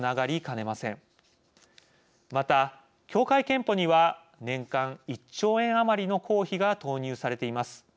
また協会けんぽには年間１兆円余りの公費が投入されています。